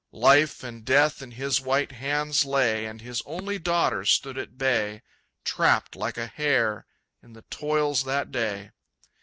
Life and death in his white hands lay, And his only daughter stood at bay, Trapped like a hare in the toils that day.